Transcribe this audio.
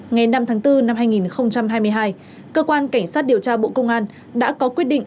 ngày năm tháng bốn năm hai nghìn hai mươi hai cơ quan cảnh sát điều tra bộ công an đã có quyết định